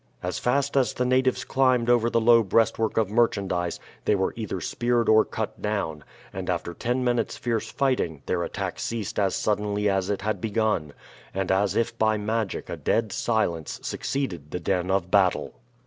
As fast as the natives climbed over the low breastwork of merchandise they were either speared or cut down, and after ten minutes' fierce fighting their attack ceased as suddenly as it had begun, and as if by magic a dead silence succeeded the din of battle.